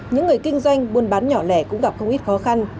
những người kinh doanh buôn bán nhỏ lẻ cũng gặp không ít khó khăn